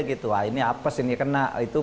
gitu wah ini apes ini kena itu